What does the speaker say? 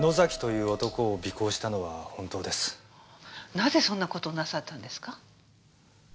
なぜそんな事をなさったんですか？